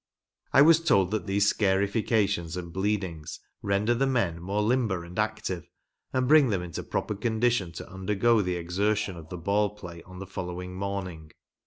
" I was told that these scarifications and bleedin<T;s render the men more limber and active, and bring them into proper condition to undergo the exertion of the ball play on the following morning.